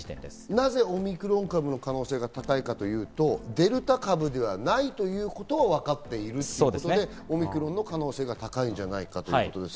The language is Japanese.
なぜオミクロン株の可能性が高いかというと、デルタ株ではないということがわかっているということで、オミクロンの可能性が高いんじゃないかということです。